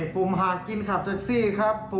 ผมหากินขับแซ็กซี่ครับ